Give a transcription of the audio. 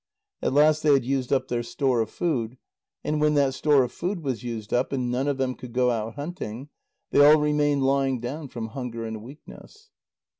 At last they had used up their store of food, and when that store of food was used up, and none of them could go out hunting, they all remained lying down from hunger and weakness.